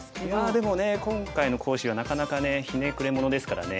でもね今回の講師はなかなかねひねくれ者ですからね。